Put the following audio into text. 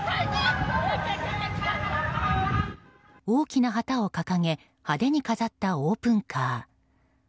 大きな旗を掲げ派手に飾ったオープンカー。